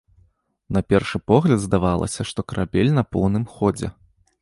На першы погляд здавалася, што карабель на поўным ходзе.